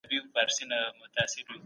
سازمانونو به د انسان د ژوند حق خوندي کوی.